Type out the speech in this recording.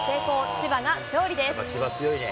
千葉が勝利です。